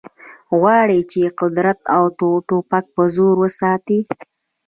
غواړي چې قدرت د ټوپک په زور وساتي